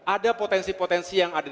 ada potensi potensi yang ada